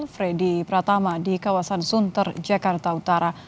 freddy pratama di kawasan sunter jakarta utara